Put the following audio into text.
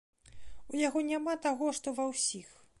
У яго няма таго, што ва ўсіх.